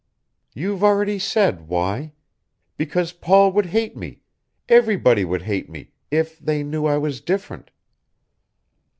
"You've already said why. Because Paul would hate me everybody would hate me if they knew I was different."